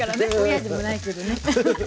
親でもないけどね。